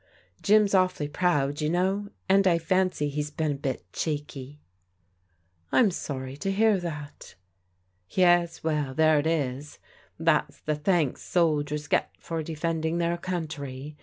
Jim's awfully proud, you know, and I fancy he's been a bit cheeky." " I'm sorry to hear that." " Yes. Well, there it is. That's the thanks soldiers get for defending their country.